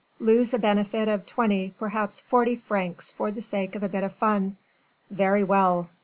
Lose a benefit of twenty, perhaps forty francs for the sake of a bit of fun. Very well!